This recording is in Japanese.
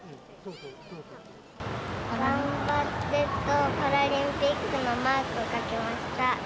頑張ってと、パラリンピックのマークを書きました。